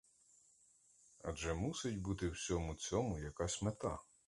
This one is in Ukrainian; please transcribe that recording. Адже мусить бути всьому цьому якась мета?